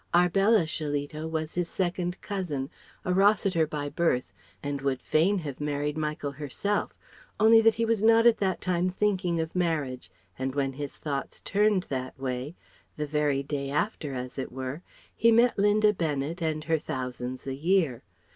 Arbella Shillito was his second cousin, a Rossiter by birth, and would fain have married Michael herself, only that he was not at that time thinking of marriage, and when his thoughts turned that way the very day after, as it were he met Linda Bennet and her thousands a year.